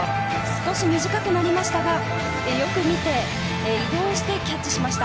少し短くなりましたがよく見て移動してキャッチしました。